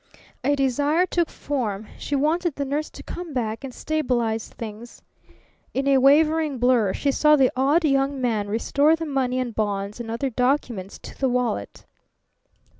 A desire took form; she wanted the nurse to come back and stabilize things. In a wavering blur she saw the odd young man restore the money and bonds and other documents to the wallet.